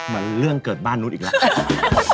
มันเรื่องเกิดบ้านนู้นอีกแล้ว